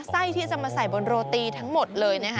ไส้ที่จะมาใส่บนโรตีทั้งหมดเลยนะคะ